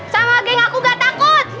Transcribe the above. sama geng aku gak takut